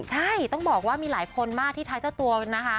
ใช่ต้องบอกว่ามีหลายคนมากที่ทักเจ้าตัวนะคะ